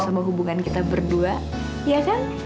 sama hubungan kita berdua ya kan